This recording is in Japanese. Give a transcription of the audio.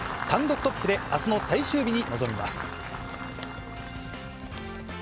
単独トップであすの最終日に臨みます。